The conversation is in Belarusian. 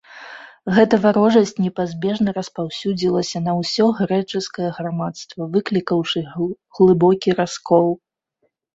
Гэта варожасць непазбежна распаўсюдзілася на ўсё грэчаскае грамадства, выклікаўшы глыбокі раскол.